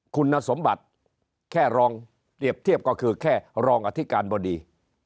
คุณสมบัติแค่รองเปรียบเทียบก็คือแค่รองอธิการบดี